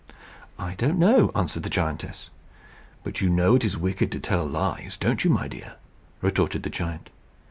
"I don't know," answered the giantess. "But you know it is wicked to tell lies; don't you, my dear?" retorted the giant.